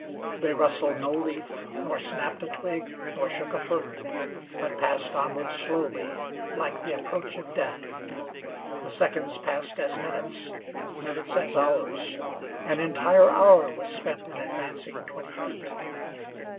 They rustled no leaf, nor snapped a twig, nor shook a fern, but passed onward slowly, like the approach of Death. The seconds passed as minutes; minutes as hours; an entire hour was spent in advancing twenty feet!